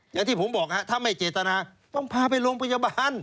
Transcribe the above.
อย่างที่ผมบอกถ้าไม่เจตนาต้องพาไปโรงพยาบาล